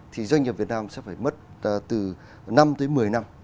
thì doanh nghiệp việt nam sẽ phải mất từ năm tới một mươi năm